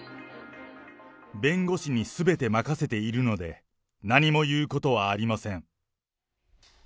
弁護士にすべて任せているので、何も言うことはありません。